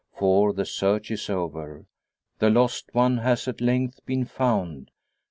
For the search is over, the lost one has at length been found.